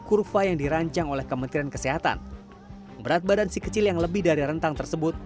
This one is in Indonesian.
kurva yang dirancang oleh kementerian kesehatan berat badan si kecil yang lebih dari rentang tersebut